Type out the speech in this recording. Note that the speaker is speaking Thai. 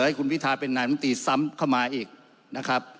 ให้คุณพิทาเป็นนายมนตรีซ้ำเข้ามาอีกนะครับ